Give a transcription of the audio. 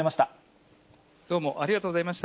どうもありがとうございまし